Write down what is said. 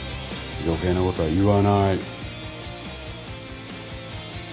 余計なことは言わない。